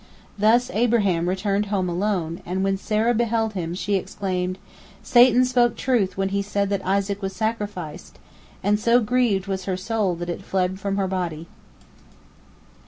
Thus Abraham returned home alone, and when Sarah beheld him, she exclaimed, "Satan spoke truth when he said that Isaac was sacrificed," and so grieved was her soul that it fled from her body.